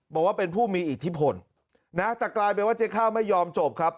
บอกว่าเป็นผู้มีอิทธิพลนะแต่กลายเป็นว่าเจ๊ข้าวไม่ยอมจบครับ